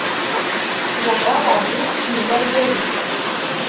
Zahra urǧin tḥemmel argaz-is.